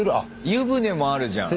湯船もあるじゃん。